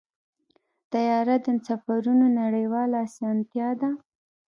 طیاره د سفرونو نړیواله اسانتیا ده.